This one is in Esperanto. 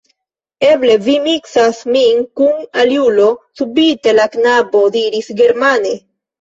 Eble vi miksas min kun aliulo, subite la knabo diris germane.